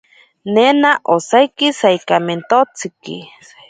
Nena osaiki saikamentotsi.